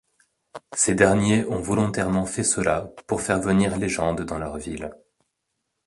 Ces derniers ont volontairement fait cela pour faire venir Legend dans leur ville.